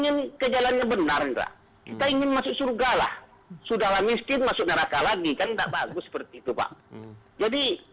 ya kalau memang makan dia pada siang hari